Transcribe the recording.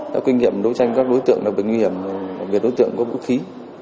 theo kinh nghiệm đối tranh các đối tượng đối tượng có vũ khí